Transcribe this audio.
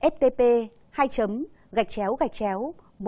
ftp hai gạch chéo gạch chéo một năm mươi năm hai trăm bốn mươi chín một trăm sáu mươi sáu